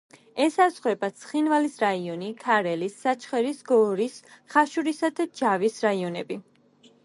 ესაზღვრებოდა: ცხინვალის რაიონი, ქარელის, საჩხერის, გორის, ხაშურისა და ჯავის რაიონები.